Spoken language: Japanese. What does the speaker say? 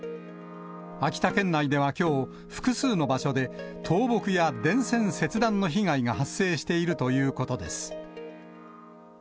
秋田県内ではきょう、複数の場所で倒木や電線切断の被害が発生しているということです。